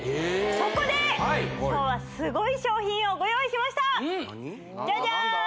そこで今日はすごい商品をご用意しましたジャジャーン